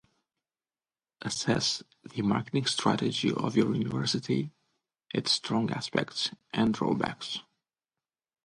Assess the marketing strategy of your university, its strong aspects and drawbacks.